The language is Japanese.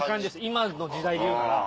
今の時代でいうなら。